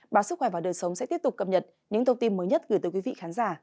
báo sức khỏe và đời sống sẽ tiếp tục cập nhật những thông tin mới nhất gửi tới quý vị khán giả